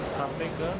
sampai ke ppk dan dps